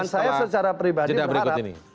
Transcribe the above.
dan saya secara pribadi berharap